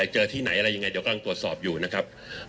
เจอที่ไหนอะไรยังไงเดี๋ยวกำลังตรวจสอบอยู่นะครับ